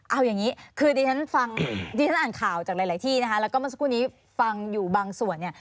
เอาอย่างนี้คือดิฉันฟังดิฉันอ่านข่าวจากหลายที่นะคะแล้วก็เมื่อสักครู่นี้ฟังอยู่บางส่วนเนี่ย